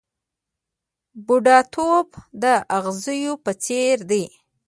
بوډاتوب د اغزیو په څېر دی .